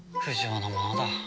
不浄のものだ。